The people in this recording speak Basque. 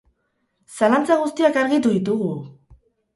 Zalantza guztiak argitu ditugu!